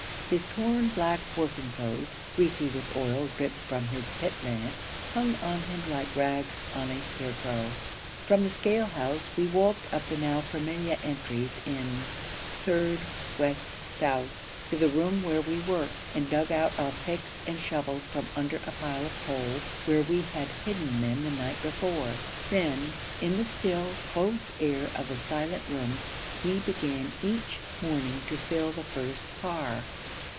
His torn black working clothes, greasy with oil dripped from his pit lamp, hung on him like rags on a scarecrow. From the scale house we walked up the now familiar entries in 'third west south' to the room where we worked, and dug out our picks and shovels from under a pile of coal where we had hidden them the night before. Then, in the still, close air of the silent room, we began each morning to fill the first car.